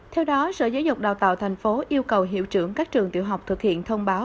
theo đó sở giáo dục đào tạo tp yêu cầu hiệu trưởng các trường tiểu học thực hiện thông báo